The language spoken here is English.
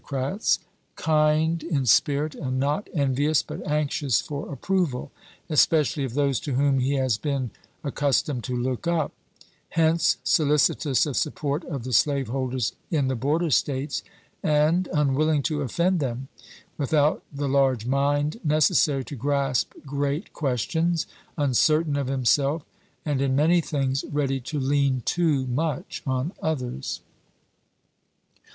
crats ; kind in spirit and not envious, but anxious for crap, xii, approval, especially of those to whom he has been accus tomed to look up — hence solicitous of support of the slaveholders in the border States, and unwilling to offend them ; without the large mind necessary to grasp great questions, uncertain of himself, and in many things ready to lean too much on others.